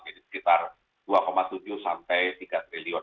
jadi sekitar rp dua tujuh sampai rp tiga triliun